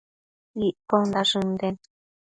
Iccondash ënden